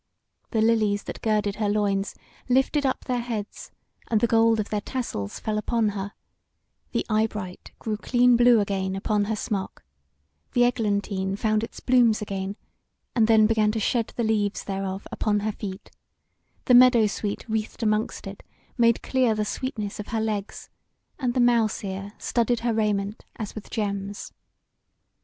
The lilies that girded her loins lifted up their heads, and the gold of their tassels fell upon her; the eyebright grew clean blue again upon her smock; the eglantine found its blooms again, and then began to shed the leaves thereof upon her feet; the meadow sweet wreathed amongst it made clear the sweetness of her legs, and the mouse ear studded her raiment as with gems.